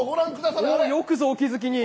よくぞお気付きに。